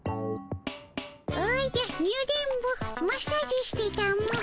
おじゃニュ電ボマッサージしてたも。